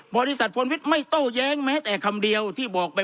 บริษัทพลวิทย์ไม่โต้แย้งแม้แต่คำเดียวที่บอกไป